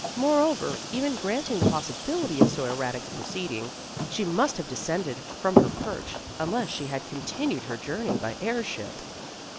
Moreover, even granting the possibility of so erratic a proceeding, she must have descended from her perch, unless she had continued her journey by airship.